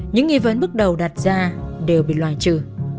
những nghi vấn bước đầu đặt ra đều bị loại trừ